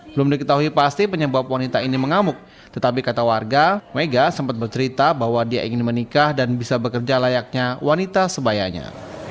belum diketahui pasti penyebab wanita ini mengamuk tetapi kata warga mega sempat bercerita bahwa dia ingin menikah dan bisa bekerja layaknya wanita sebayanya